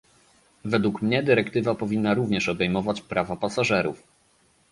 Według mnie dyrektywa powinna również obejmować prawa pasażerów